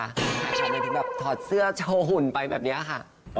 ขายของเป็นที่แบบถอดเสื้อโชว์หุ่นไปแบบนี้อะค่ะ